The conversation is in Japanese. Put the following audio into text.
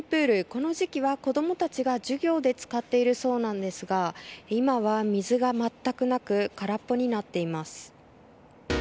この時期は子供たちが授業で使っているそうなんですが今は、水が全くなく空っぽになっています。